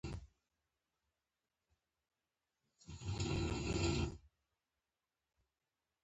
خو سیمه هغه پخوانۍ سیمه نه ده.